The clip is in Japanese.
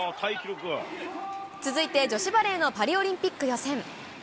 続いて女子バレーのパリオリンピック予選。